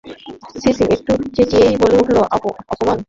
CC একটু চেঁচিয়েই বলে উঠল, অপমান!